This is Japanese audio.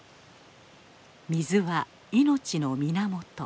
水は命の源。